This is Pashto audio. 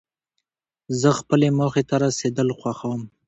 زه خپلې موخي ته رسېدل خوښوم.